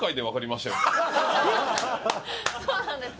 そうなんです。